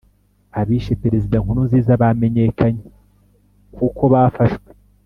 abishe perezida nkurunziza bamenyekanye kuko bafashwe